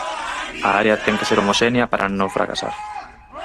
A área ten que ser homoxénea para no fracasar.